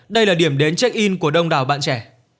đây là điểm đến check in của đông đảo bạn trẻ